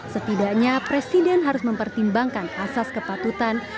setidaknya presiden harus mempertimbangkan asas kepatutan